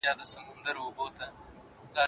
ایا ته له خرافاتو لري یې؟